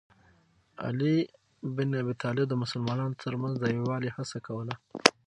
علي بن ابي طالب د مسلمانانو ترمنځ د یووالي هڅه کوله.